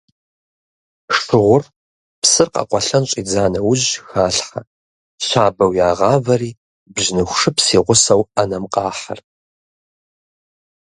Шыгъур псыр къэкъуэлъэн щӏидза нэужь халъхьэ, щабэу ягъавэри бжьыныху шыпс и гъусэу ӏэнэм къахьыр.